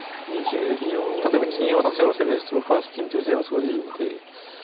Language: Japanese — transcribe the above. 例えば金を渡すような攻めですと６八金という手が生じるので。